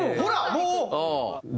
もう。